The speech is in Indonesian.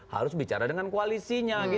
harus bicara dengan koalisinya